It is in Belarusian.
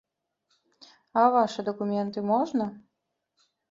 А вашы дакументы можна?